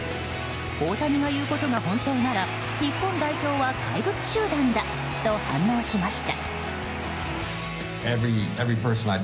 大谷が言うことが本当なら日本代表は怪物集団だと反応しました。